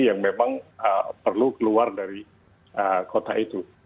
yang memang perlu keluar dari kota itu